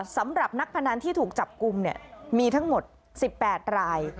สำหรับนักพนันที่ถูกจับกลุ่มมีทั้งหมด๑๘ราย